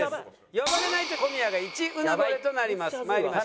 呼ばれないと小宮が１うぬぼれとなります。